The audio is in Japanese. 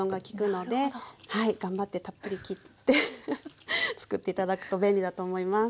頑張ってたっぷり切って作って頂くと便利だと思います。